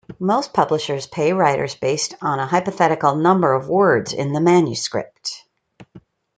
Most publishers pay writers based on a hypothetical number of words in the manuscript.